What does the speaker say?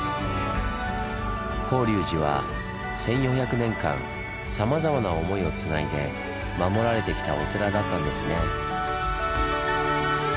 法隆寺は１４００年間さまざまな思いをつないで守られてきたお寺だったんですね。